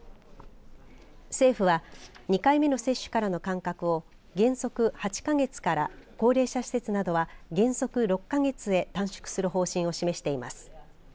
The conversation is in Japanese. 政府は２回目の接種からの間隔を原則８か月から高齢者施設などは原則６か月へ短縮する方針を示しています。